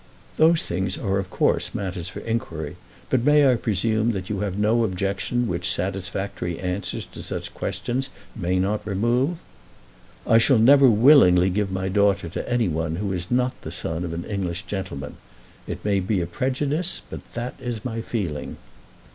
"Those things are of course matters for inquiry; but may I presume that you have no objection which satisfactory answers to such questions may not remove?" "I shall never willingly give my daughter to any one who is not the son of an English gentleman. It may be a prejudice, but that is my feeling."